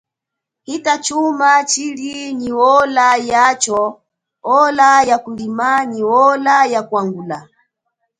Hita chuma tshili nyi ola yacho ola ya kulima nyi ola ya kwangula.